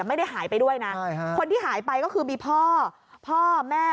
ไม่ได้หายไปด้วยนะคนที่หายไปก็คือมีพ่อพ่อแม่